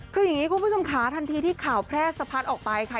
คืออย่างนี้คุณผู้ชมค่ะทันทีที่ข่าวแพร่สะพัดออกไปค่ะ